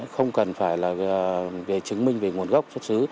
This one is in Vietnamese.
không cần phải là để chứng minh về nguồn gốc chất xứ